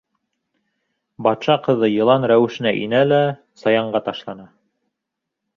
Батша ҡыҙы йылан рәүешенә инә лә саянға ташлана.